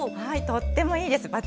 はいとってもいいです